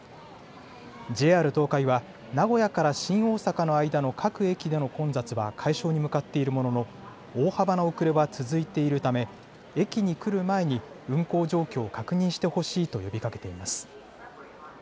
ＪＲ東海は名古屋から新大阪の間の各駅での混雑は解消に向かっているものの大幅な遅れは続いているため駅に来る前に運行状況を確認してほしいと呼びかけています。